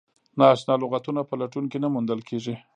نا اشنا لغتونه په لټون کې نه موندل کیږي.